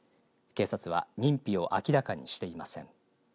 警察は認否を明らかにしていません。